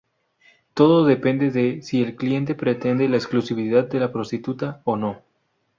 Todo depende de si el cliente pretende la exclusividad de la prostituta o no.